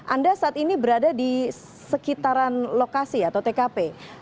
anda saat ini berada di sekitaran lokasi atau tkp